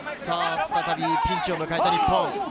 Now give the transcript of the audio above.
再びピンチを迎えた日本。